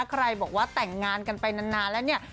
ใครบอกว่าแต่งงานกันไปนานแล้วเนี่ย